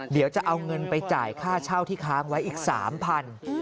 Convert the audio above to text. เดี๋ยวจะเอาเงินไปจ่ายค่าเช่าที่ค้างไว้อีก๓๐๐บาท